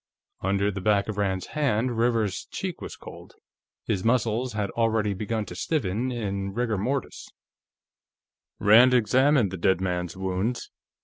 Under the back of Rand's hand, Rivers's cheek was cold; his muscles had already begun to stiffen in rigor mortis. Rand examined the dead man's wounds.